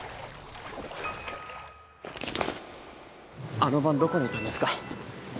あの晩どこにいたんですか？